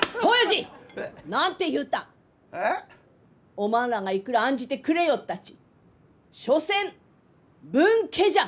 おまんらがいくら案じてくれよったち所詮分家じゃ！